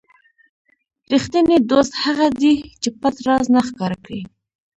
ریښتینی دوست هغه دی چې پټ راز نه ښکاره کړي.